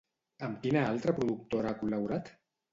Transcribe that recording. Amb quina altra productora ha col·laborat?